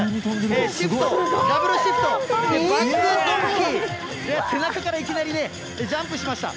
シフト、ダブルシフト、バックドンキー、背中からいきなりね、ジャンプしました。